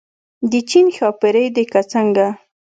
د چین ښاپېرۍ دي که څنګه.